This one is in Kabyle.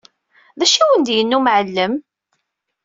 D acu i wen-d-yenna umɛellem?